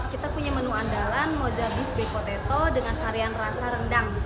kita punya menu andalan mozza beef baked potato dengan varian rasa rendang